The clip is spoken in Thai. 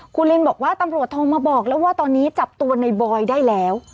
คุณลินบอกว่าตำรวจโทรมาบอกแล้วว่าตอนนี้จับตัวในบอยได้แล้ว